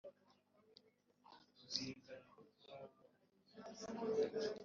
Akica benshi mu gihugu cya edomu